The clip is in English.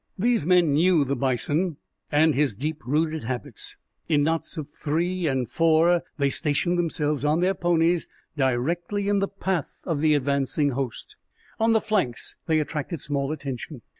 These men knew the bison and his deep rooted habits. In knots of three and four they stationed themselves, on their ponies, directly in the path of the advancing host. On the flanks they attracted small attention.